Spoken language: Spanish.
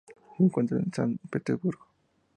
Se encuentra en San Petersburgo.